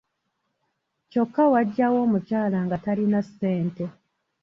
Kyokka wajjawo omukyala nga talina ssente.